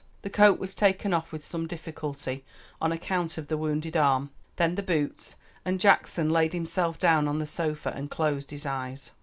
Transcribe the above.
The coat was taken off with some difficulty on account of the wounded arm, then the boots, and Jackson laid himself down on the sofa and closed his eyes.